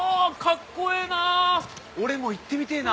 俺も言ってみてえな。